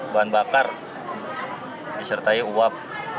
bahan bakar disertai uap